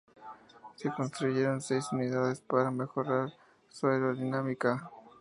Se construyeron seis unidades para mejorar su aerodinámica.